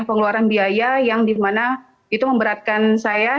pengeluaran biaya yang dimana itu memberatkan saya